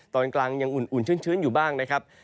ตอนกลางยังอุ่นชื่นอยู่บ้าง